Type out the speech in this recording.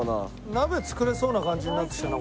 鍋作れそうな感じになってきたな